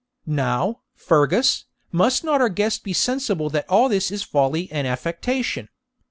'Now, Fergus, must not our guest be sensible that all this is folly and affectation?